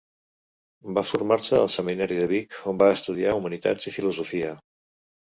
Va formar-se al Seminari de Vic, on va estudiar humanitats i filosofia.